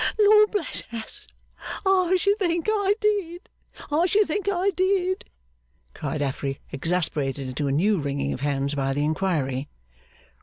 'Lord bless us, I should think I did, I should think I did!' cried Affery, exasperated into a new wringing of hands by the inquiry.